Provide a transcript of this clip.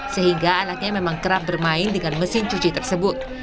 sehingga anaknya memang kerap bermain dengan mesin cuci tersebut